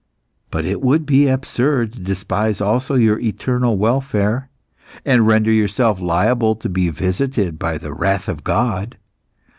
But it would be absurd to despise also your eternal welfare, and render yourself liable to be visited by the wrath of God.